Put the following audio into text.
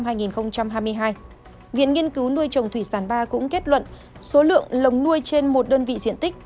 viện nghiên cứu nuôi trồng thủy sản ba cũng kết luận số lượng lồng nuôi trên một đơn vị diện tích